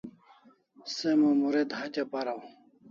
Se Mumuret hatya paraw